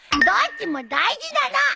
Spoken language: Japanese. どっちも大事なの！